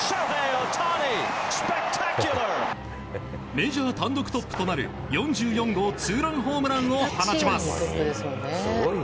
メジャー単独トップとなる４４号ツーランホームランを放ちます。